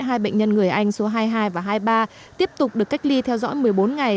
hai bệnh nhân người anh số hai mươi hai và hai mươi ba tiếp tục được cách ly theo dõi một mươi bốn ngày